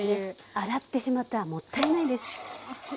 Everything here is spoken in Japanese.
洗ってしまったらもったいないです。